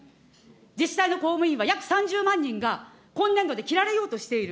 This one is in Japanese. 実際の公務員は約３０万人が今年度で切られようとしている。